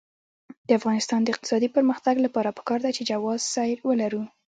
د افغانستان د اقتصادي پرمختګ لپاره پکار ده چې جواز سیر ولرو.